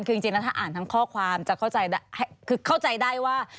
คือจริงแล้วถ้าอ่านทั้งข้อความจะเข้าใจได้ว่า